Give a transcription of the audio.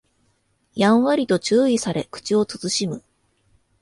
やんわりと注意され口を慎む